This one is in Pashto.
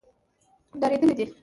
ډارېدلي دي.